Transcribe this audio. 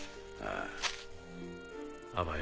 ああ。